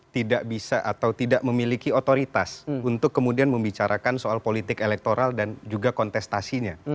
tidak bisa atau tidak memiliki otoritas untuk kemudian membicarakan soal politik elektoral dan juga kontestasinya